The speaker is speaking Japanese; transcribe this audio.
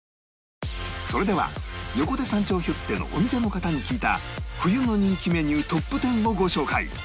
それでは横手山頂ヒュッテのお店の方に聞いた冬の人気メニュートップ１０をご紹介